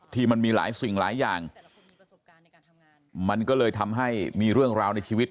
มันมีหลายสิ่งหลายอย่างมันก็เลยทำให้มีเรื่องราวในชีวิต